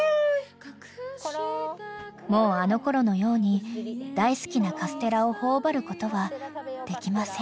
［もうあのころのように大好きなカステラを頬張ることはできません］